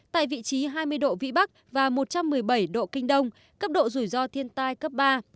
tại vị trí hai mươi độ vĩ bắc và một trăm một mươi bảy độ kinh đông cấp độ rủi ro thiên tai cấp ba